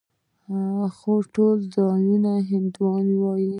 خو ټول ځان ته هندیان وايي.